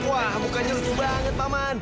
wah mukanya lembu banget paman